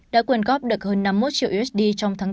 đã quyên góp được hơn năm mươi một triệu usd trong tháng bốn